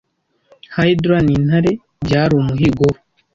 Hydra n'intare byari umuhigo we,